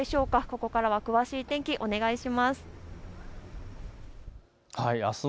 ここからは詳しい天気お願いします。